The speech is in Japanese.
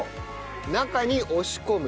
中に押し込む。